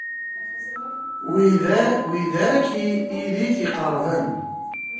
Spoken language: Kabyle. Wid akk iyi-d-ittqerriben.